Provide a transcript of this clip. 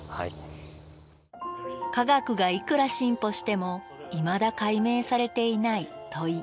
科学がいくら進歩してもいまだ解明されていない問い。